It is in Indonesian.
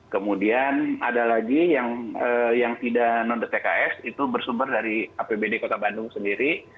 kemudian ada lagi yang tidak non dtks itu bersumber dari apbd kota bandung sendiri